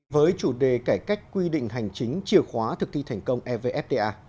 với chủ đề cải cách quy định hành chính chìa khóa thực thi thành công evfta